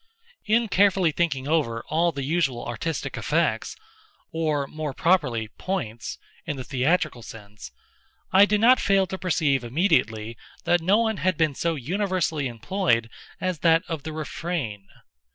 In carefully thinking over all the usual artistic effects—or more properly points, in the theatrical sense—I did not fail to perceive immediately that no one had been so universally employed as that of the refrain.